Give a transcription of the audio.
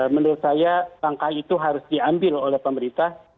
menurut saya langkah itu harus diambil oleh pemerintah